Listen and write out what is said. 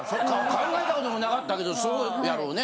考えたこともなかったけどそうやろね。